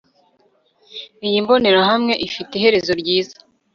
Iyi mbonerahamwe ifite iherezo ryiza